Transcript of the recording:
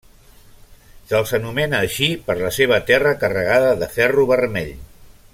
Se'ls anomena així per la seva terra carregada de ferro vermell.